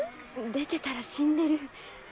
出てたら死んでる。